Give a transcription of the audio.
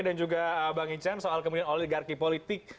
dan juga abang hincan soal kemudian oligarki politik